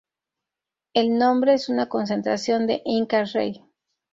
El nombre es una contracción de "Inka Rey".